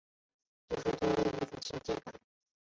就是多了一分亲切感